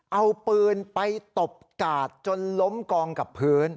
เอาปืนไปตบกาดจนล้มกองกับพื้น